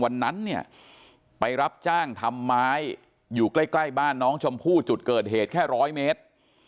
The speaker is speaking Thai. วันนั้นเนี่ยไปรับจ้างทำไม้อยู่ใกล้บ้านน้องชมพู่จุดเกิดเหตุแค่๑๐๐เมตร